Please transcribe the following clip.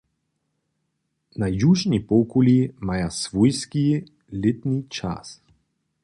Na južnej połkuli maja "swójski" lětni čas.